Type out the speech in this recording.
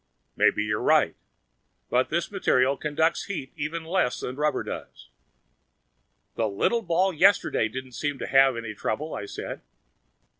"Maybe you're right. But this material conducts heat even less than rubber does." "The little ball yesterday didn't seem to have any trouble," I said.